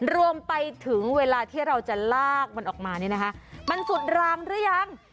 รวมไปถึงเวลาที่เราจะลากมันออกมามันสุดรามหรือยัง